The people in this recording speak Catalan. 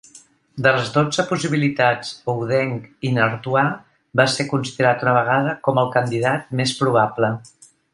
De les dotze possibilitats, Houdenc in Artois va ser considerat una vegada com el candidat més probable.